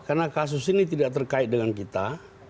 karena kasus ini tidak terkait dengan kita